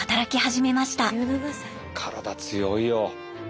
体強いよ。